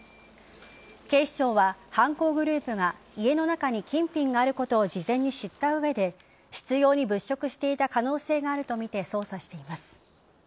警視庁は、犯行グループが家の中に金品があることを事前に知った上で執拗に物色していた可能性があるとみて捜査しています。